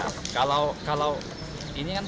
mungkin bisa kita cek dikit dikit